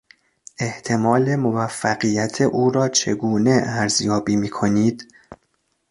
احتمال موفقیت او را چگونه ارزیابی می کنید؟